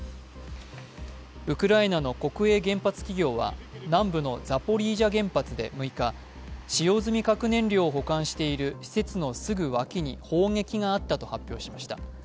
ウクライナの国営原発企業は南部のザポリージャ原発で６日使用済み核燃料を保管している施設のすぐ脇に砲撃があったと発表しました。